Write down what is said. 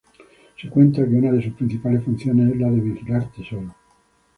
Se cuenta que una de sus principales funciones es la de vigilar tesoros.